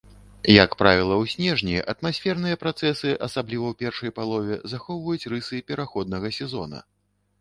Як правіла, у снежні атмасферныя працэсы, асабліва ў першай палове, захоўваюць рысы пераходнага сезона.